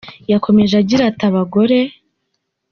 Yakomeje agira ati Abagore.